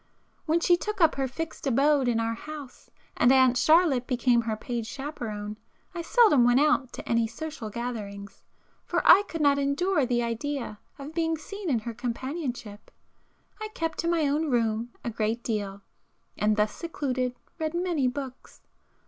When she took up her fixed abode in our house and Aunt Charlotte became her paid chaperône, I seldom went out to any social gatherings, for I could not endure the idea of being seen in her companionship. I kept to my own room a great deal, and thus secluded, read many books.